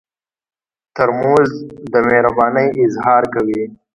ترموز د مهربانۍ اظهار کوي.